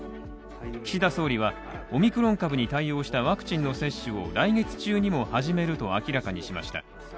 岸田総理はオミクロン株に対応したワクチンの接種を来月中にも始めると明らかにしました。